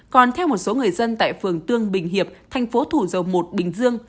còn theo một số người dân tại phường tương bình hiệp thành phố thủ dầu một bình dương